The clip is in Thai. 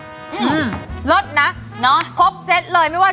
นุ่มครับนุ่มครับนุ่มครับนุ่มครับนุ่มครับนุ่มครับนุ่มครับ